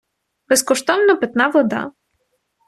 Безкоштовна питна вода.